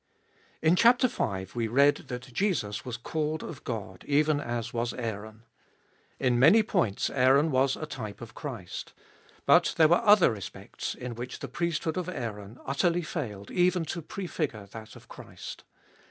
IN chap. v. we read that Jesus was called of God, even as was Aaron. In many points Aaron was a type of Christ. But there were other respects in which the priesthood of Aaron utterly failed even to prefigure that of Christ.